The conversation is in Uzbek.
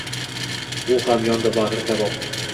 U ham yondi bag’ri kabob